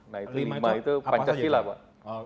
nah itu lima itu pancasila pak